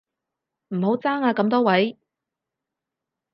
唔好爭啊咁多位